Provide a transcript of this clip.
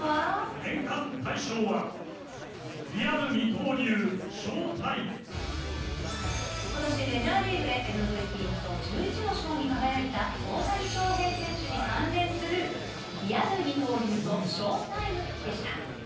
年間大賞は、ことしメジャーリーグで、ＭＶＰなど１１の賞に輝いた大谷翔平選手に関連するリアル二刀流とショータイムでした。